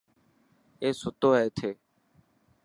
اي ستو هي اٿي.